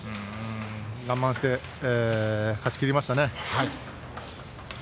我慢して勝ち切りましたね。